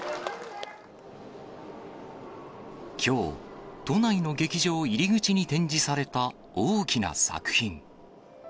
きょう、都内の劇場入り口に展示された大きな作品。